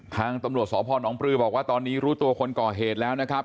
ทางตำรวจสพนปลือบอกว่าตอนนี้รู้ตัวคนก่อเหตุแล้วนะครับ